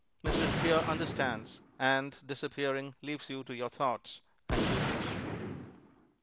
Mr. Spear understands, and, disappearing, leaves you to your thoughts and June's.